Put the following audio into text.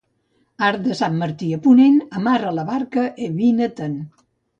Arc de sant Martí a ponent, amarra la barca i vine-te'n.